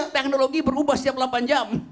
teknologi berubah setiap delapan jam